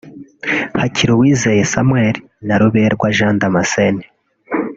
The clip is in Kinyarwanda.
Hakiruwizeye Samuel na Ruberwa Jean Damascene